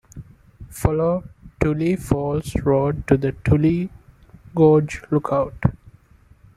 Follow Tully Falls Road to the Tully Gorge Lookout.